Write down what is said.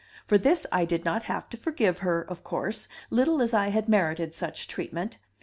For this I did not have to forgive her, of course, little as I had merited such treatment.